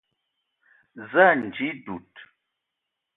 Za ànji dud